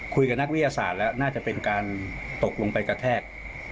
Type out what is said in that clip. คุยกับนักวิทยาศาสตร์แล้วน่าจะเป็นการตกลงไปกระแทก